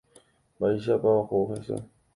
Mba'éichapa oho hese.